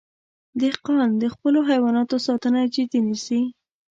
دهقان د خپلو حیواناتو ساتنه جدي نیسي.